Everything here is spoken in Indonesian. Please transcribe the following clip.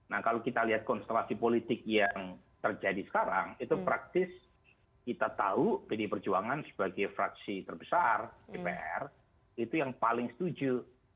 nah kalau kita lihat konstelasi politik yang terjadi sekarang itu praktis kita tahu pdi perjuangan sebagai fraksi terbesar dpr itu yang paling setuju